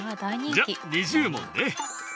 じゃあ２０文ね。